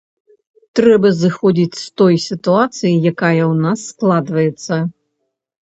Трэба зыходзіць з той сітуацыі, якая ў нас складваецца.